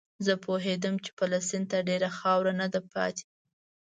زه پوهېدم چې فلسطین ته ډېره خاوره نه ده پاتې.